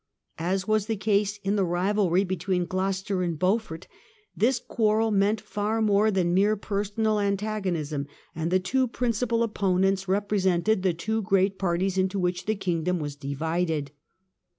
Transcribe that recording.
As w^as the case in the rivalry between Gloucester and Beaufort, this quarrel meant far more than mere personal antagonism, and The two the two principal opponents represented the two great ^'^"^"^^ parties into which the Kingdom was divided.